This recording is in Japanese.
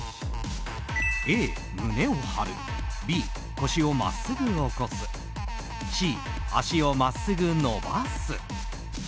Ａ、胸を張るＢ、腰を真っすぐ起こすＣ、足を真っすぐ伸ばす。